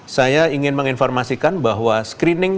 saya ingin menginformasikan bahwa screening